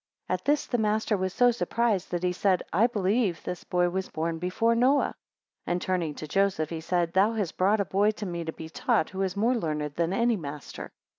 10 At this the master was so surprised, that he said, I believe this boy was born before Noah; 11 And turning to Joseph, he said, Thou hast brought a boy to me to be taught, who is more learned than any master.